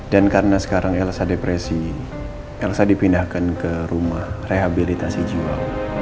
dan karena sekarang elsa depresi elsa dipindahkan ke rumah rehabilitasi jiwa